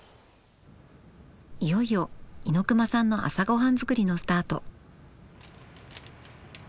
いよいよ猪熊さんの朝ごはん作りのスタート。